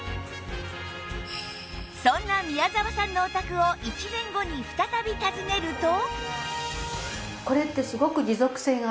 そんな宮澤さんのお宅を１年後に再び訪ねると